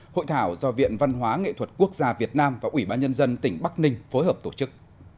hội thảo do viện văn hóa nghệ thuật quốc gia việt nam và ủy ban nhân dân tỉnh bắc ninh phối hợp tổ chức